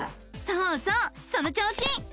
そうそうその調子！